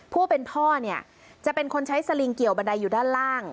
ผู้เป็นพ่อเนี่ยจะเป็นคนใช้สลิงเกี่ยวบันไดอยู่ด้านล่าง